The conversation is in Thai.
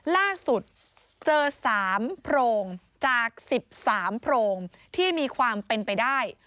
ล่าสุดเจอ๓โพรงจาก๑๓โพรงที่มีความเป็นไปได้